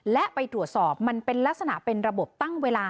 และไปตรวจสอบมันเป็นลักษณะเป็นระบบตั้งเวลา